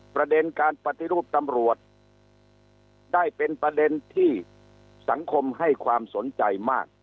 ประเด็นการปฏิรูปตำรวจได้เป็นประเด็นที่สังคมให้ความสนใจมาก